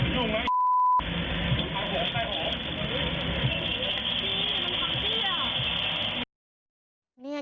จะต้ายมากนะ